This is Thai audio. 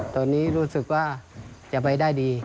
ตอนนี้รู้สึกว่าจะไปได้ดี